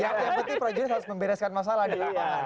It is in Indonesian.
yang penting project harus membereskan masalah di lapangan